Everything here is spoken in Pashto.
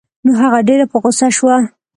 نو هغه ډېره په غوسه شوه.